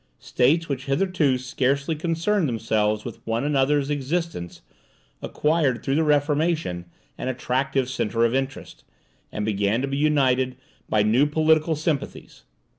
States which hitherto scarcely concerned themselves with one another's existence, acquired through the Reformation an attractive centre of interest, and began to be united by new political sympathies.